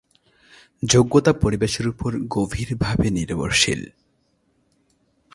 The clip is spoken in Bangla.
যোগ্যতা পরিবেশের উপরও গভীরভাবে নির্ভরশীল।